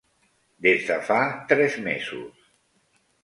Des de fa tres mesos.